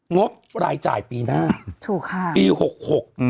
งบรายจ่ายปีหน้าถูกค่ะปีหกหกอืม